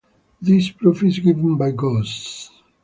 This proof is given by Gauss.